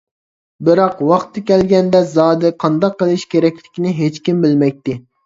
بىراق، ۋاقتى كەلگەندە زادى قانداق قىلىش كېرەكلىكىنى ھېچكىم بىلمەيتتى.